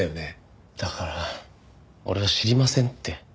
だから俺は知りませんって。